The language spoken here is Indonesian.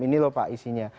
ini loh pak isinya